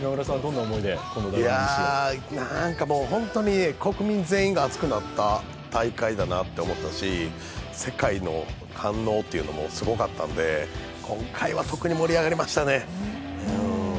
なんかもう本当に国民全員が熱くなった大会だなと思ったし世界の反応というのもすごかったんで、今回は特に盛り上がりましたね。